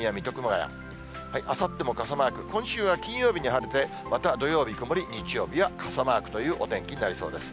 あさっても傘マーク、今週は金曜日に晴れて、また土曜日、曇り、日曜日は傘マークというお天気になりそうです。